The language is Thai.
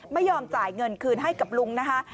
ไม่ยอมจ่ายเงินคืนให้กับลุงนะคะ